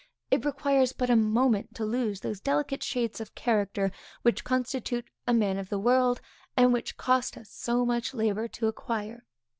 It requires but a moment to lose those delicate shades of character which constitute a man of the world, and which cost us so much labor to acquire.